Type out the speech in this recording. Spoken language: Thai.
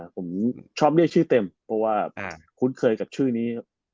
ผมชอบเรียกชื่อเต็มเพราะว่าคุ้นเคยกับชื่อนี้